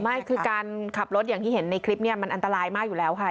ไม่คือการขับรถอย่างที่เห็นในคลิปเนี่ยมันอันตรายมากอยู่แล้วค่ะ